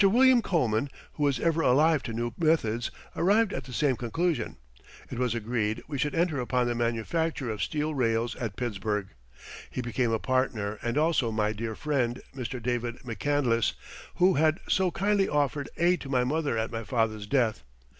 William Coleman, who was ever alive to new methods, arrived at the same conclusion. It was agreed we should enter upon the manufacture of steel rails at Pittsburgh. He became a partner and also my dear friend Mr. David McCandless, who had so kindly offered aid to my mother at my father's death.